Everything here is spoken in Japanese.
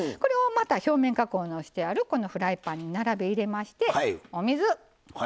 表面加工してあるフライパンに並べ入れましてお水。